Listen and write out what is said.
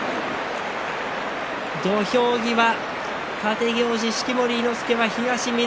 土俵際、立行司式守伊之助は東、翠